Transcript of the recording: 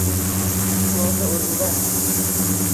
Xulosa o‘rnida